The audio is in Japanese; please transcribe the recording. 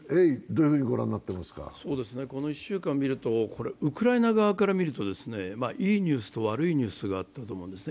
この１週間を見るとウクライナ側から見るといいニュースと悪いニュースがあったと思うんです。